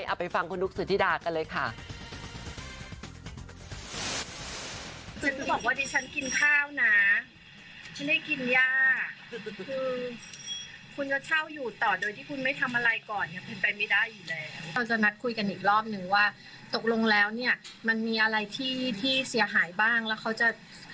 เอาไปฟังคุณดุ๊กสุธิดากันเลยค่ะ